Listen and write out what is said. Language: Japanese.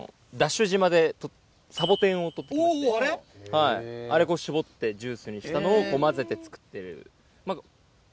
はいあれ搾ってジュースにしたのを混ぜて作ってる。